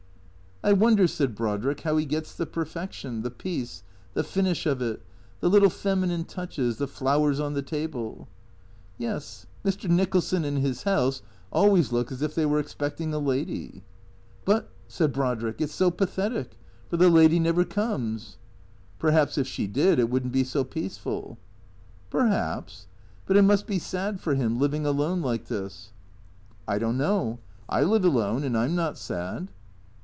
" I wonder," said Brodrick, " how he gets the perfection, the peace, the finish of it, the little feminine touches, the flowers on the table "" Yes, Mr. Nicholson and his house always look as if they were expecting a lady." " But," said Brodrick, " it 's so pathetic, for the lady never comes." " Perhaps if she did it would n't be so peaceful." " Perhaps. But it must be sad for him — living alone like this." " I don't know. I live alone and I 'm not sad."